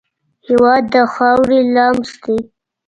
هېواد د خاورې لمس دی.